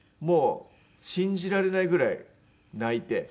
もう信じられないぐらい泣いて。